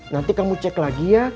nanti kamu cek lagi ya